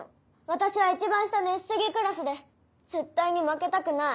私は一番下のＳ３クラスで絶対に負けたくない。